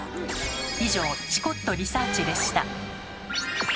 以上「チコっとリサーチ」でした。